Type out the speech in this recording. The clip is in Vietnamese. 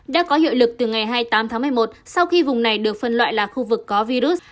đã có hiệu lực từ ngày hai mươi tám tháng một mươi một sau khi vùng này được phân loại là khu vực có virus